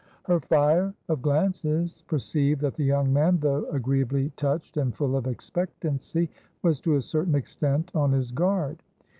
Her fire of glances perceived that the young man, though agreeably touched and full of expectancy, was to a certain extent on his guard.